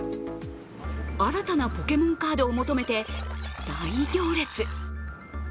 新たなポケモンカードを求めて大行列。